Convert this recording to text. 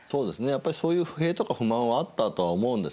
やっぱりそういう不平とか不満はあったとは思うんですね。